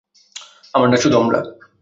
আমরা না, শুধু আমি।